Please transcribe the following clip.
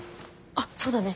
あっそうだね。